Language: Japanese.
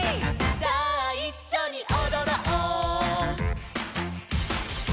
さあいっしょにおどろう」